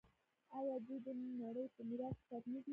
آیا دوی د نړۍ په میراث کې ثبت نه دي؟